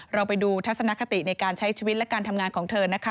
เราไปดูทัศนคติในการใช้ชีวิตและการทำงานของเธอนะคะ